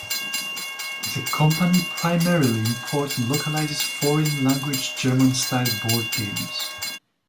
The company primarily imports and localizes foreign language German-style board games.